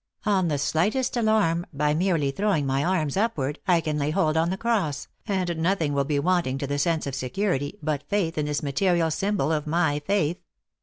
On the slightest alarm, by merely throwing my arms upward, I can lay hold on the cross, and nothing will be wanting to the sense of security but faith in this material symbol of my faith.